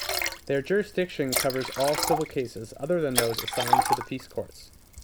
Their jurisdiction covers all civil cases other than those assigned to the peace courts.